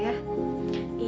iya teh silahkan